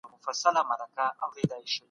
ولي کُنت د پخوانيو پوهانو تګلاره رد کړه؟